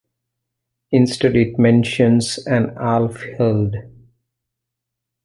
Instead it mentions an Alfhild.